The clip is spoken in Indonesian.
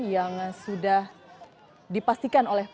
yang sudah dipastikan oleh